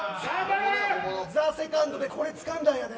ＴＨＥＳＥＣＯＮＤでこれつかんだんやで。